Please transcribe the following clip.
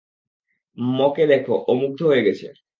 ম কে দেখো, ও মুগ্ধ হয়ে গেছে।